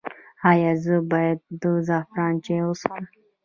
ایا زه باید د زعفران چای وڅښم؟